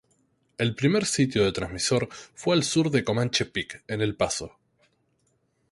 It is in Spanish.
El primer sitio de transmisor fue al sur de Comanche Peak en El Paso.